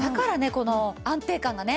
この安定感がね